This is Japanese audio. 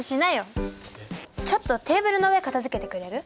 ちょっとテーブルの上片づけてくれる？